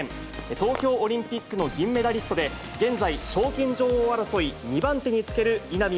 東京オリンピックの銀メダリストで、現在、賞金女王争い２番手につける稲見